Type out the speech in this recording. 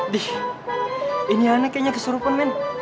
dih ini anak kayaknya keserupan men